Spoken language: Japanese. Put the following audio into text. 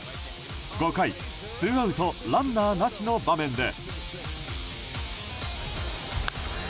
５回、ツーアウトランナーなしの場面で。